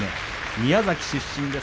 宮崎出身です。